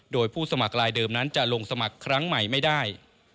โดยผู้สมัครลายเดิมนั้นจะลงสมัครครั้งใหม่ไม่ได้